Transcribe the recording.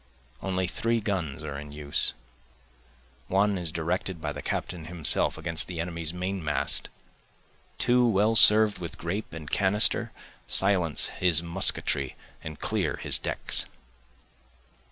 Only three guns are in use, One is directed by the captain himself against the enemy's main mast, Two well serv'd with grape and canister silence his musketry and clear his decks.